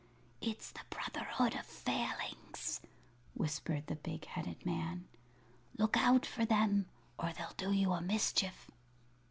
"It's the Brotherhood of Failings," whispered the big headed man. "Look out for them, or they'll do you a mischief."